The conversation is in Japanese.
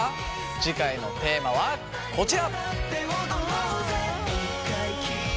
次回のテーマはこちら！